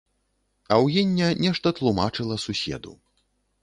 Аўгіння нешта тлумачыла суседу.